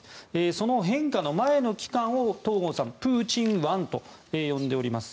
その変化の前の期間を東郷さんはプーチン１と呼んでおります。